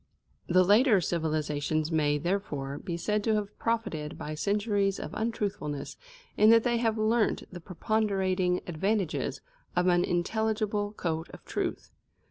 The later civilisations may, therefore, be said to have profited by centuries of untruthfulness in that they have learnt the preponderating advantages of an intelligible code of truth.